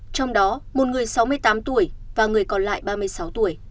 trong đó một người sáu mươi tám tuổi và người còn lại ba mươi sáu tuổi